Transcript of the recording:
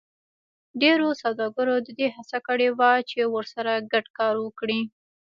ډېرو سوداګرو د دې هڅه کړې وه چې ورسره ګډ کار وکړي